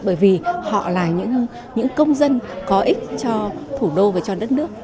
bởi vì họ là những công dân có ích cho thủ đô và cho đất nước